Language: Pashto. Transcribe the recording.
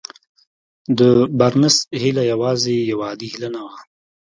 د بارنس هيله يوازې يوه عادي هيله نه وه.